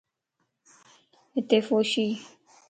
ھتي ڦوشيَ